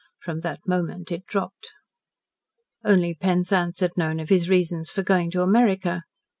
From that moment it dropped. Only Penzance had known of his reasons for going to America.